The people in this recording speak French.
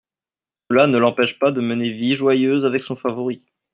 Cela ne l’empêche pas de mener vie joyeuse avec son favori.